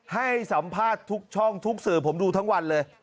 ให้สัมภาษณ์ทุกช่องทุกสื่อผมดูทั้งวันเลย